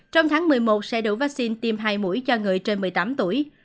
trong tháng một mươi một sẽ đủ vaccine tiêm hai mũi cho người trên một mươi tám tuổi